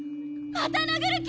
また殴る気！？